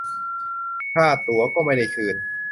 ค่าตั๋วก็ไม่ได้คืน